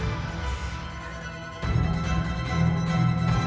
apa itu caranya